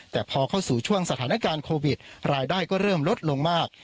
แต่พอเข้าสู่ช่วงสถานการณ์โควิดรายได้ก็เริ่มลดลงมาก